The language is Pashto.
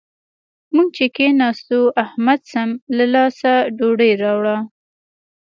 موږ چې کېناستو؛ احمد سم له لاسه ډوډۍ راوړه.